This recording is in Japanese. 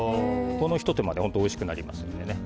このひと手間で本当においしくなります。